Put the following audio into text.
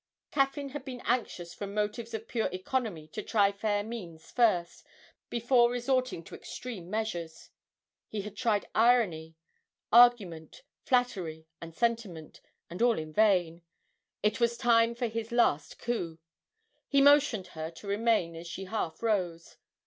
Caffyn had been anxious from motives of pure economy to try fair means first, before resorting to extreme measures: he had tried irony, argument, flattery, and sentiment, and all in vain. It was time for his last coup. He motioned her to remain as she half rose.